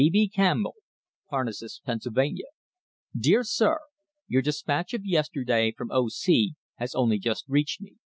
B. B. Campbell, J Parnassus, Pennsylvania. Dear Sir — Your despatch of yesterday from O. C. has only just reached me.